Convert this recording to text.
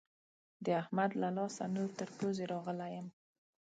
د احمد له لاسه نور تر پوزې راغلی يم.